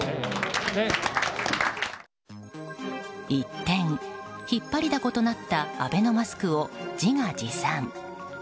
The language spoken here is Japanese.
一転、引っ張りだことなったアベノマスクを自画自賛。